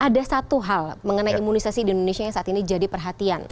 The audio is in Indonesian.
ada satu hal mengenai imunisasi di indonesia yang saat ini jadi perhatian